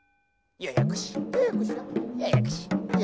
ややこしや。